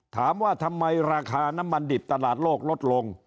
ถามว่าทำไมราคาน้ำมันดิบตลาดโลกลดลง